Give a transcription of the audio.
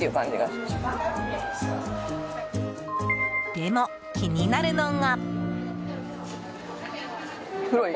でも、気になるのが。